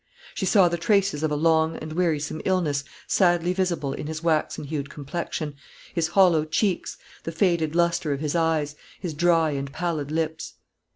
She saw the traces of a long and wearisome illness sadly visible in his waxen hued complexion, his hollow cheeks, the faded lustre of his eyes, his dry and pallid lips.